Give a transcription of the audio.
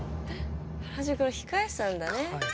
原宿の控え室なんだね。